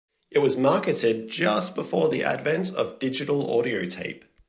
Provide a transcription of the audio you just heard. It was marketed just before the advent of Digital Audio Tape.